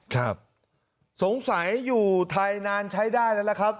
ครับสงสัยอยู่ไทยนานใช้ได้แล้วล่ะครับ